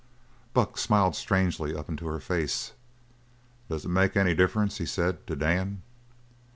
But Buck smiled strangely up into her face. "Does it make any difference," he said, "to Dan?"